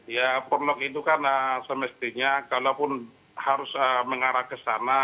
ya forlok itu kan semestinya kalaupun harus mengarah ke sana